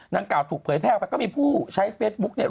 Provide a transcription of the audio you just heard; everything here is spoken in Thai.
กล่าถูกเผยแพร่ออกไปก็มีผู้ใช้เฟซบุ๊กเนี่ย